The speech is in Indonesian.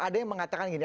ada yang mengatakan gini